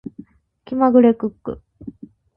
気まぐれクック